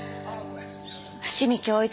伏見亨一